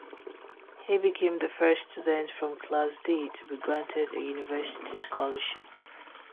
He became the first student from Class D to be granted a university scholarship.